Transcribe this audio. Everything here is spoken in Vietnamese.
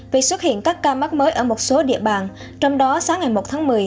vì xuất hiện các ca mắc mới ở một số địa bàn trong đó sáng ngày một tháng một mươi